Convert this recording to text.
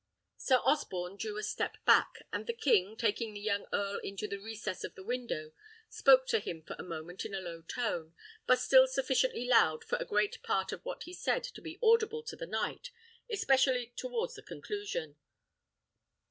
Sir Osborne drew a step back, and the king, taking the young earl into the recess of a window, spoke to him for a moment in a low tone, but still sufficiently loud for a great part of what he said to be audible to the knight, especially towards the conclusion.